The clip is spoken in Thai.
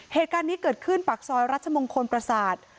เหตุการณ์นี้เกิดขึ้นปากซอยรัชมงคลประสาท